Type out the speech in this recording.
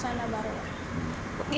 semangat baru tempat baru pokoknya suasana baru